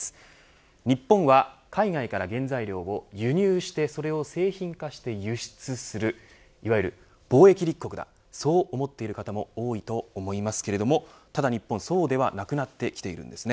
日本は海外から原材料を輸入してそれを製品化して輸出するいわゆる貿易立国だそう思ってる方も多いと思いますけれどもただ日本そうではなくなってきているんです。